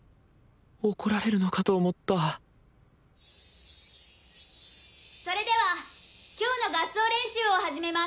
怒られるのかと思ったそれでは今日の合奏練習を始めます。